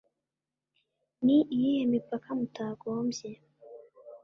Ni iyihe mipaka mutagombye